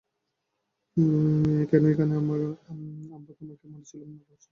কেন, এখানে আমরা তোমাকে মারছিলুম না ধরছিলুম।